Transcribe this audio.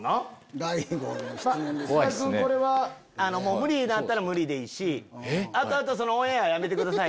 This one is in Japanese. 無理だったら無理でいいし後々オンエアやめてください。